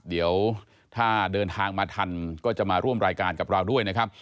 เดี๋ยวถ้าเดินทางมาทันก็จะมาร่วมรายการกับเราด้วยนะครับ